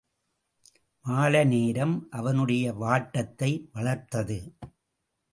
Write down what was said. மாலை நேரம் அவனுடைய வாட்டத்தை வளர்த்தது.